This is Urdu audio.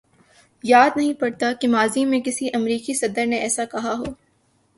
یاد نہیں پڑتا کہ ماضی میں کسی امریکی صدر نے ایسا کہا ہو۔